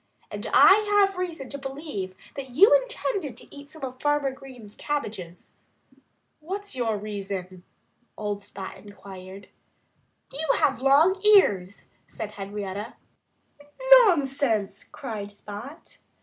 And I have reason to believe that you intended to eat some of Farmer Green's cabbages." "What's your reason?" old Spot inquired. "You have long ears," said Henrietta. "Nonsense!" cried Spot.